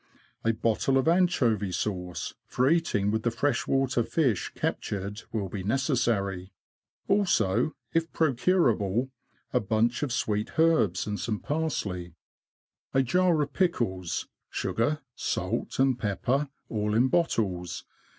A bottle of anchovy sauce, for eating with the fresh water fish captured, will be necessary ; also, if procurable, a bunch of sweet herbs and some parsley. A jar of pickles ; sugar, salt, and pepper, all in bottles.